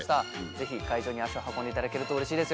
ぜひ会場に足を運んでいただけるとうれしいです。